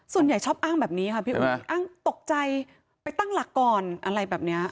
ส่วนใหญ่ชอบอ้างแบบนี้ค่ะอ้างตกใจไปตั้งหลักก่อนอะไรแบบนี้